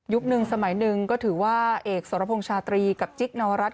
หนึ่งสมัยหนึ่งก็ถือว่าเอกสรพงษ์ชาตรีกับจิ๊กนวรัฐ